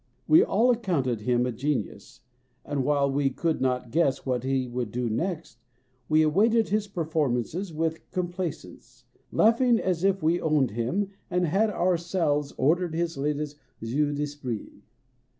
We all accounted him a genius, and while we could not guess what he would do next, we awaited his performances with complacence, laughing as if we owned him and had ourselves ordered his latest jcu rf esprit.